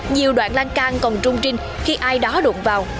nhiều đoạn lan can còn trung trinh khi ai đó đụng vào